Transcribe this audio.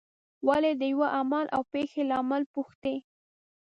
ولې د یوه عمل او پېښې لامل پوښتي.